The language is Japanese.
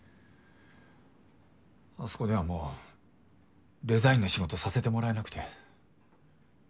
あそこではもうデザインの仕事させてもらえなくて。